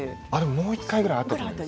もう１回ぐらいあったと思います。